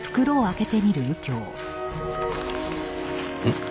ん？